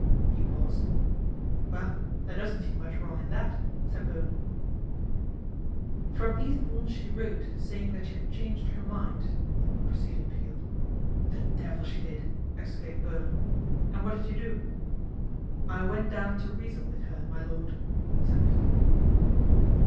He paused. ' Well, there doesn't seem much wrong in that," said Bowen. " From Eastbourne she wrote, saying that she had changed her mind," proceeded Peel. ' The devil she did !" exclaimed Bowen. " And what did you do ?"" I went down to reason with her, my lord," said Peel.